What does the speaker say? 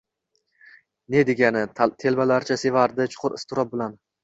ne degani? Telbalarcha sevardi. Chuqur iztirob bilan: